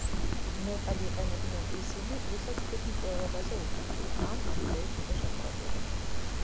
მეტად იყენებდნენ ისინი, ვისაც თვითმკვლელობაზე უფიქრია, ან ამ იდეით იყო შეპყრობილი.